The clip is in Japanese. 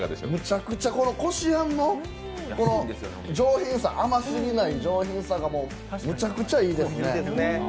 むちゃくちゃ、こしあんの甘すぎない上品さがむちゃくちゃいいですね。